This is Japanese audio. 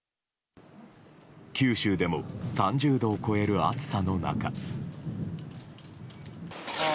九州でも３０度を超える暑さの中。